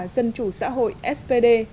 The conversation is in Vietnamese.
dân chủ xã hội svd